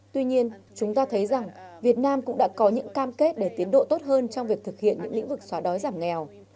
tuy nhiên chúng ta thấy rằng việt nam cũng đã có những cam kết để tiến độ tốt hơn trong việc thực hiện những lĩnh vực xóa đói giảm nghèo